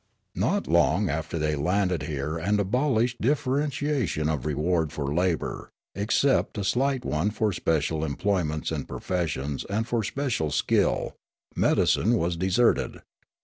" Not long after they landed here and abolished dif ferentiation of reward for labour, except a slight one for special emplo5anents and professions and for special skill, medicine was deserted.